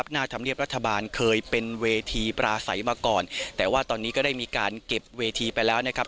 หน้าธรรมเนียบรัฐบาลเคยเป็นเวทีปราศัยมาก่อนแต่ว่าตอนนี้ก็ได้มีการเก็บเวทีไปแล้วนะครับ